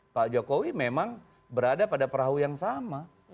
pak jokowi memang berada pada perahu yang sama